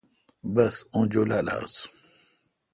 بس اوں جولال آس